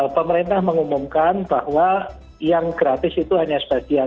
pemerintah mengumumkan bahwa yang gratis itu hanya sebagian